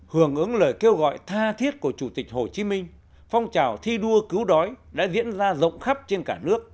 hưởng ứng lời kêu gọi tha thiết của chủ tịch hồ chí minh phong trào thi đua cứu đói đã diễn ra rộng khắp trên cả nước